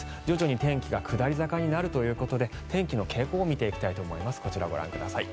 徐々に天気が下り坂になるということで天気の傾向を見ていきたいと思います。